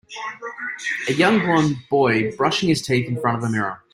A young blond boy brushing his teeth in front of a mirror.